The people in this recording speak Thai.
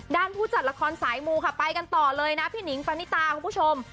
ผู้จัดละครสายมูค่ะไปกันต่อเลยนะพี่หนิงปณิตาคุณผู้ชม